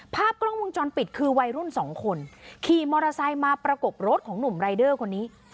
ภาพกล้องวงจรปิดคือวัยรุ่นสองคนขี่มอเตอร์ไซค์มาประกบรถของหนุ่มรายเดอร์คนนี้